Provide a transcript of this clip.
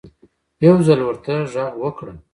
يو ځل ورته غږ وکړه